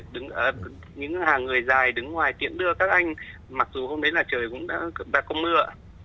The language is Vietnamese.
đứng ở những hàng người dài đứng ngoài tiễn đưa các anh mặc dù hôm đấy là trời cũng đã có mưa